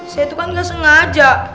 saya tuh kan gak sengaja